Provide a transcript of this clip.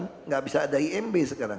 tidak bisa ada imb sekarang